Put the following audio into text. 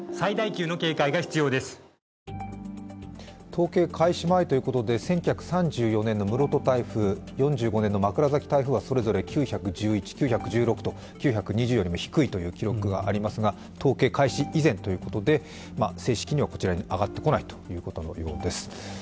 統計開始前ということで１９３４年の室戸台風４５年の枕崎台風はそれぞれ９１１、９１６と、９２０よりも低いという記録がありますが、統計開始以前ということで正式にはこちらに上がってこないということのようです。